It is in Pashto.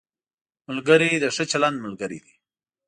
ملګری د ښه چلند ملګری دی